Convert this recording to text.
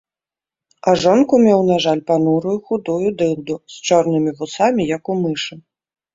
А жонку меў, на жаль, панурую худую дылду, з чорнымі вусамі, як у мышы.